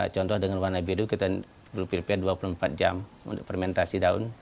contoh dengan warna biru kita perlu pilpres dua puluh empat jam untuk fermentasi daun